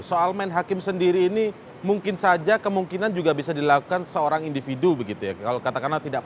soal main hakim sendiri ini mungkin saja kemungkinan juga bisa dilakukan seorang indonesia